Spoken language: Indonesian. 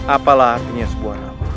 apalah artinya sebuah nama